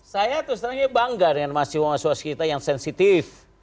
saya terus terangnya bangga dengan masyarakat kita yang sensitif